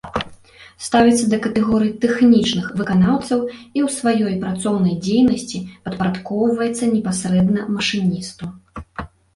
Ставіцца да катэгорыі тэхнічных выканаўцаў і ў сваёй працоўнай дзейнасці падпарадкоўваецца непасрэдна машыністу.